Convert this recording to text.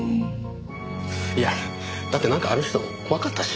いやだってなんかあの人怖かったし。